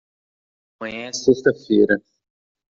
Amanhã é sexta-feira.